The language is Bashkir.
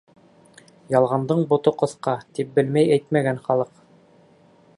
Ялғандың бото ҡыҫҡа, тип белмәй әйтмәгән халыҡ.